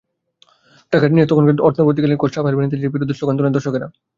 Placard নিয়ে তখনকার অন্তর্বর্তীকালীন কোচ রাফায়েল বেনিতেজের বিরুদ্ধে স্লোগান তোলেন দর্শকেরা।